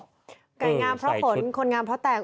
ไก่งามเพราะฝนคนงามเพราะแตก